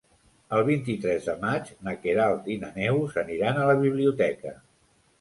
El vint-i-tres de maig na Queralt i na Neus aniran a la biblioteca.